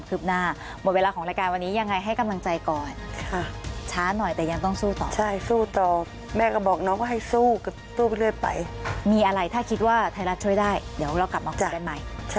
ขอบคุณคุณแม่คุณนานแล้วก็ธรรมดีค่ะ